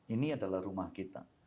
ini adalah rumah kita